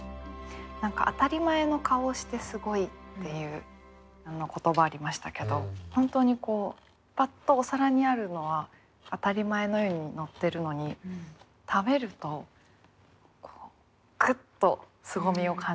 何か「あたり前の顔をしてすごい」っていう言葉ありましたけど本当にパッとお皿にあるのは当たり前のようにのってるのに食べるとグッとすごみを感じる。